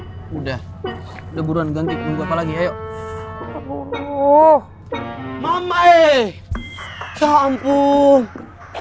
gak usah ngaku ngaku gue ini kedinginan tau gak gak usah ngaku ngaku gue ini kedinginan tau gak gak usah ngaku ngaku gue ini kedinginan tau gak gak usah ngaku ngaku